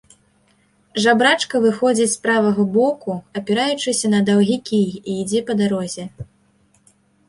Жабрачка выходзіць з правага боку, апіраючыся на даўгі кій, і ідзе па дарозе.